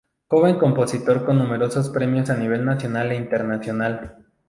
Joven compositor con numerosos premios a nivel nacional e internacional.